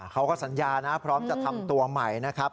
เขาก็สัญญานะพร้อมจะทำตัวใหม่นะครับ